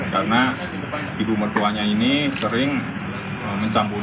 karena ibu mertuanya ini sering mencampur